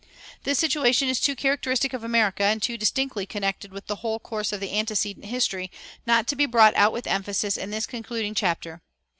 This situation is too characteristic of America, and too distinctly connected with the whole course of the antecedent history, not to be brought out with emphasis in this concluding chapter.